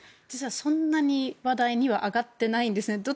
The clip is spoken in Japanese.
実はそんなに話題には上がってないんですね。